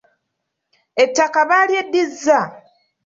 Ettaka baalyeddizza.